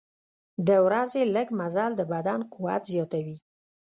د ورځې لږ مزل د بدن قوت زیاتوي.